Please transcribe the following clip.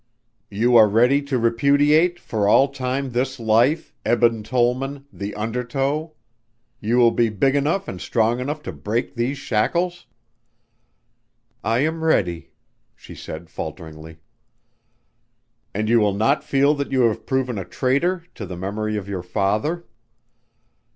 "You are ready to repudiate, for all time this life ... Eben Tollman ... the undertow? You will be big enough and strong enough to break these shackles?" "I am ready " she said falteringly. "And you will not feel that you have proven a traitor to the memory of your father?"